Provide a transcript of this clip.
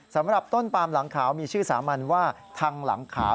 สำหรับต้นปามหลังขาวมีชื่อสามัญว่าทางหลังขาว